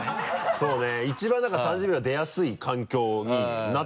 そうね。